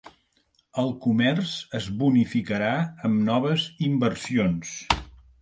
El comerç es bonificarà amb noves inversions.